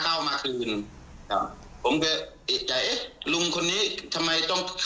ผมก็ว่าเอ๊ะลุงนี้เมาแน่นอนเลย